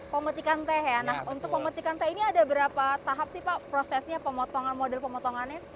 pemetikan teh ya nah untuk pemetikan teh ini ada berapa tahap sih pak prosesnya pemotongan model pemotongannya